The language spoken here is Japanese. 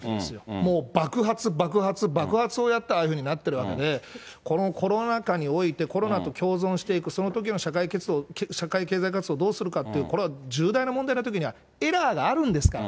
もう爆発、爆発、爆発をやってああいうふうになっているわけで、このコロナ禍において、コロナと共存していく、そのときの社会経済活動をどうするかっていう、これは重大な問題なときには、エラーがあるんですから。